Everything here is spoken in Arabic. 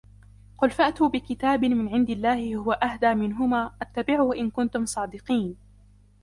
قُلْ فَأْتُوا بِكِتَابٍ مِنْ عِنْدِ اللَّهِ هُوَ أَهْدَى مِنْهُمَا أَتَّبِعْهُ إِنْ كُنْتُمْ صَادِقِينَ